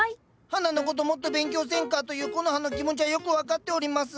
花のこともっと勉強せんかというコノハの気持ちはよく分かっております。